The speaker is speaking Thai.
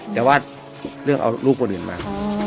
แต่ว่าเรื่องเอาลูกคนอื่นมา